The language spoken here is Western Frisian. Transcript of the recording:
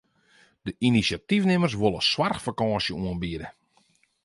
De inisjatyfnimmers wolle soarchfakânsjes oanbiede.